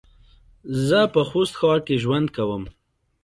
زه په خوست ښار کې ژوند کوم